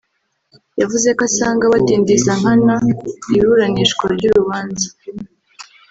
yavuze ko asanga badindiza nkana iburanishwa ry’urubanza